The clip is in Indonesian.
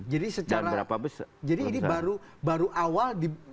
jadi secara jadi ini baru awal